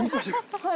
はい。